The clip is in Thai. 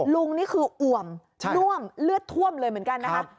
นี่คืออ่วมน่วมเลือดท่วมเลยเหมือนกันนะคะ